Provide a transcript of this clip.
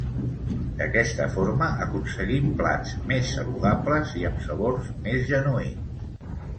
D'aquesta forma aconseguim plats més saludables i amb sabors més genuïns.